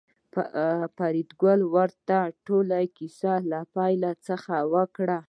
فریدګل ورته ټوله کیسه له پیل څخه وکړه